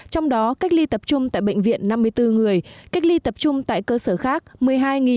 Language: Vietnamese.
trong đó cách ly tập trung tại bệnh viện năm mươi bốn người cách ly tập trung tại cơ sở khí